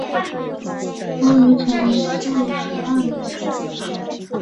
卒于乾隆四十二年。